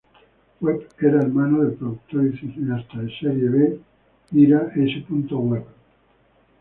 Webb era hermano del productor y cineasta de serie B Ira S. Webb.